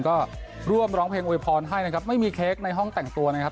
ก็ร่วมร้องเพลงโวยพรให้นะครับไม่มีเค้กในห้องแต่งตัวนะครับ